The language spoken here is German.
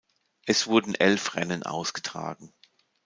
Es wurden elf Rennen ausgetragen.